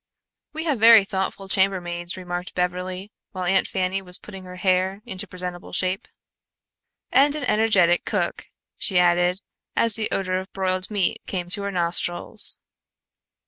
"We have very thoughtful chambermaids," remarked Beverly while Aunt Fanny was putting her hair into presentable shape. "And an energetic cook," she added as the odor of broiled meat came to her nostrils.